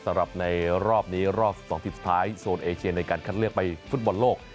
สำหรับในรอบนี้รอบ๑๒ทีมสุดท้ายโซนเอเชียในการคัดเลือกไปฟุตบอลโลก